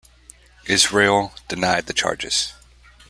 Israel denied the charges.